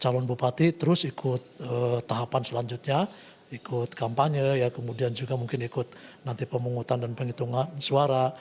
calon bupati terus ikut tahapan selanjutnya ikut kampanye kemudian juga mungkin ikut nanti pemungutan dan penghitungan suara